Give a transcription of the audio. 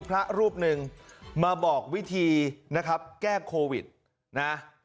พระรูปหนึ่งมาบอกวิธีนะครับแก้โควิดนะ